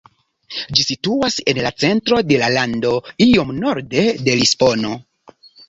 Ĝi situas en la centro de la lando iom norde de Lisbono.